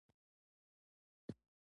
باد د فضا خوځښت ښيي